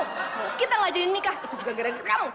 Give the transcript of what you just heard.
kalau kita nggak jadi nikah itu juga gara gara kamu